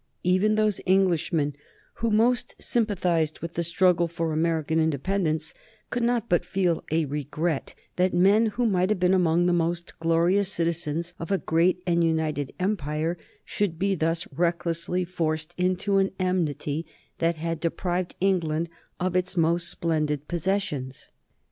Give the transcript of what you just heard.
Even those Englishmen who most sympathized with the struggle for American independence could not but feel a regret that men who might have been among the most glorious citizens of a great and united empire should be thus recklessly forced into an enmity that had deprived England of its most splendid possessions.